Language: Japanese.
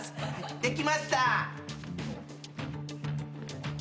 できました。